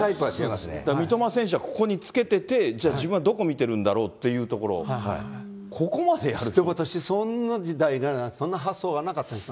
三笘選手はここにつけてて、じゃあ、自分はどこ見てるんだろうっていうところ、ここまでやる私、そんな時代、そんな発想はなかったですよ。